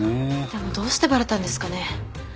でもどうしてバレたんですかね？